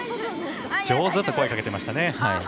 上手と声をかけていましたね。